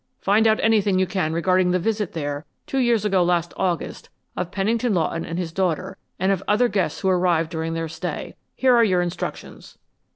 Find out anything you can regarding the visit there two years ago last August of Pennington Lawton and his daughter and of other guests who arrived during their stay. Here are your instructions."